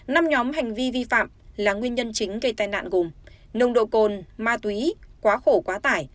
năm nhóm hành vi vi phạm là nguyên nhân chính gây tai nạn gồm nông độ cồn ma túy quá khổ quá tải